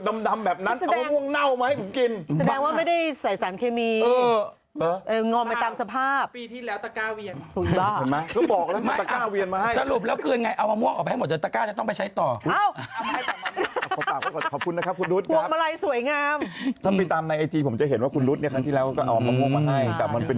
มันเป็นจุดดำแบบนั้นเอามะม่วงเน่ามาให้ผมกิน